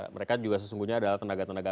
mereka juga sesungguhnya adalah tenaga tenaga